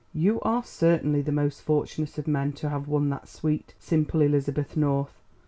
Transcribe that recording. "You are certainly the most fortunate of men to have won that sweet, simple Elizabeth North!